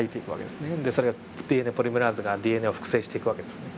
それをＤＮＡポリメラーゼがＤＮＡを複製していく訳ですね。